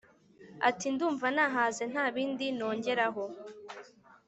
Ati “Ndumva nahaze ntabindi nongeraho”